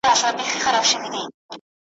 رپول مي بیرغونه هغه نه یم ,